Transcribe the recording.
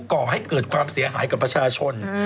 ก่อให้เกิดความเสียหายกับประชาชน